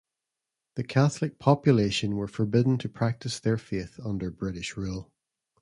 The Catholic population were forbidden to practice their faith under British rule.